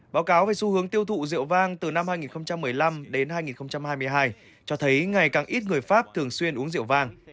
báo cáo về xu hướng tiêu thụ rượu vang từ năm hai nghìn một mươi năm đến hai nghìn hai mươi hai cho thấy ngày càng ít người pháp thường xuyên uống rượu vàng